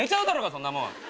そんなもん。